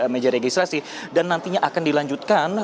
meja registrasi dan nantinya akan dilanjutkan